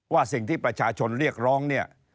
ว่าสิ่งที่ประชาชนเรียกร้องเนี่ย